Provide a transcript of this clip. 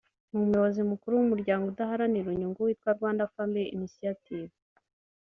ni n’Umuyobozi Mukuru w’Umuryango udaharanira inyungu witwa Rwanda Family Initiative